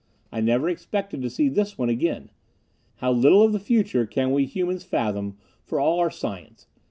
I never expected to see this one again. How little of the future can we humans fathom, for all our science!